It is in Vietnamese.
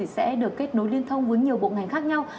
sẽ được kết nối liên thông với nhiều bộ ngành khác nhau